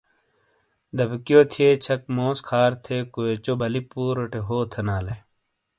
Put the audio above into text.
دبیکیو تھیے چھک موس کھار تھے کویوچو بَلی پوروٹے ہو تھینالے۔